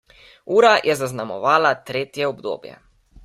Ura je zaznamovala tretje obdobje.